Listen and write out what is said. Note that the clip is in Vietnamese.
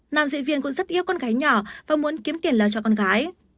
nam diễn viên cũng rất yêu con gái nhỏ và muốn kiếm tiền lao cho con gái